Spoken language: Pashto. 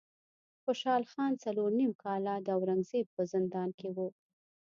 خوشحال خان څلور نیم کاله د اورنګ زیب په زندان کې و.